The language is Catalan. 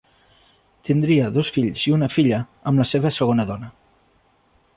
Tindria dos fills i una filla amb la seva segona dona.